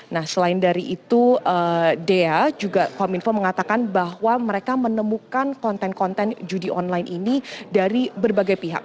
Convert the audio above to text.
nah selain dari itu dea juga kominfo mengatakan bahwa mereka menemukan konten konten judi online ini dari berbagai pihak